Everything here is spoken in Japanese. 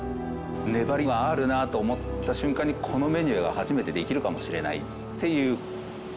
粘りがあるなと思った瞬間にこのメニューが初めてできるかもしれないっていう。